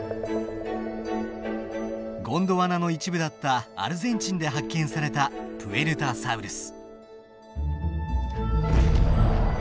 ゴンドワナの一部だったアルゼンチンで発見されたプエルタサウルス。